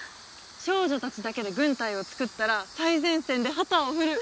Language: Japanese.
少女たちだけで軍隊を作ったら最前線で旗を振る。